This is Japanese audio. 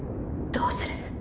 どうする！！